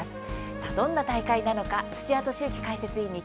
さあどんな大会なのか土屋敏之解説委員に聞きます。